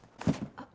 あっ！